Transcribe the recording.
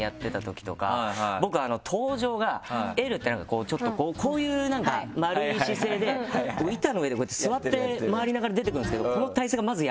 僕登場がＬってなんかちょっとこういう丸い姿勢で板の上でこうやって座って回りながら出てくるんですけど。